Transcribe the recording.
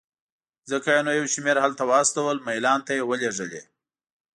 ځکه یې نو یو شمېر هلته واستول، میلان ته یې ولېږلې.